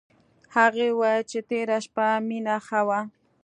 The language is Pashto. هغې وویل چې تېره شپه مينه ښه وه